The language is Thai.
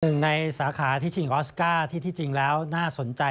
หนึ่งในสาขาที่ชิงออสการ์ที่จริงแล้วน่าสนใจ